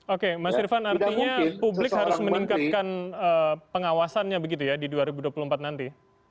oke mas irvan artinya publik harus meningkatkan pengawasannya begitu ya di dua ribu dua puluh empat nanti